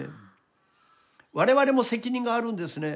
我々も責任があるんですね。